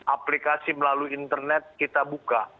aplikasi melalui internet kita buka